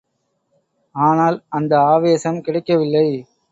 ஆனால் அந்த ஆவேசம் கிடைக்கவில்லை.